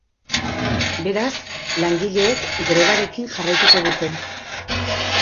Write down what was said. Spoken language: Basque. Beraz, langileek grebarekin jarraituko dute.